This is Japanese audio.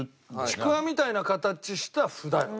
ちくわみたいな形した麩だよ。